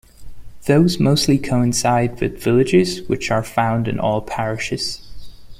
Those mostly coincide with villages, which are found in all parishes.